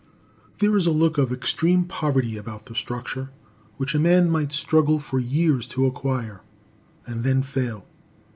There is a look of extreme poverty about the structure which a man might struggle for years to acquire and then fail.